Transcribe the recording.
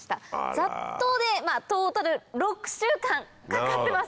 ざっとでトータル６週間かかってます。